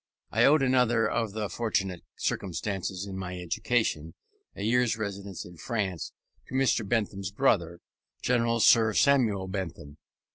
I owed another of the fortunate circumstances in my education, a year's residence in France, to Mr. Bentham's brother, General Sir Samuel Bentham.